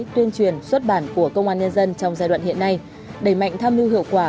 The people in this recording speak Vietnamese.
tuyên truyền xuất bản của công an nhân dân trong giai đoạn hiện nay đẩy mạnh tham mưu hiệu quả